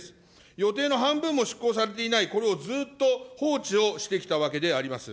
予定の半分も執行されていない、これをずっと放置をしてきたわけであります。